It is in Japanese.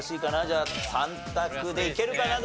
じゃあ３択でいけるかな？